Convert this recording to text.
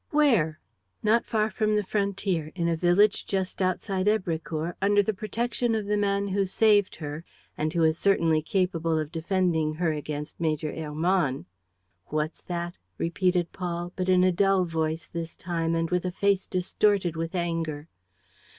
"Where?" "Not far from the frontier, in a village just outside Èbrecourt, under the protection of the man who saved her and who is certainly capable of defending her against Major Hermann." "What's that?" repeated Paul, but in a dull voice this time and with a face distorted with anger.